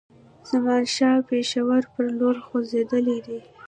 زمانشاه پېښور پر لور خوځېدلی دی.